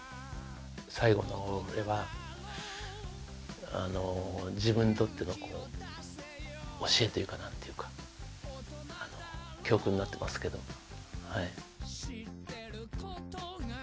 最後のそれは自分にとっての教えというか何ていうかあの教訓になってますけどはい。